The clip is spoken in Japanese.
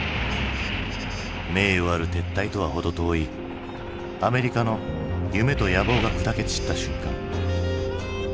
名誉ある撤退とは程遠いアメリカの夢と野望が砕け散った瞬間。